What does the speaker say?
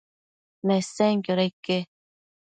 Nesenquioda ique?